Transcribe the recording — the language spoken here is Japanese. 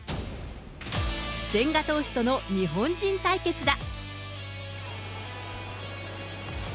千賀投手との日本人対決だ。